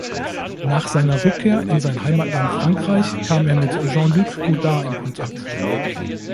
Nach seiner Rückkehr in sein Heimatland Frankreich kam er mit Jean-Luc Godard in Kontakt.